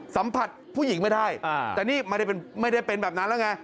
สัมผัสผู้หญิงไม่ได้แต่นี่ไม่ได้เป็นแบบนั้นแล้วไง